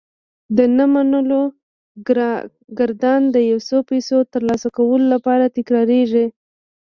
د نه منلو ګردان د يو څو پيسو ترلاسه کولو لپاره تکرارېږي.